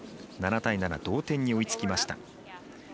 ７対７、同点に追いつきました。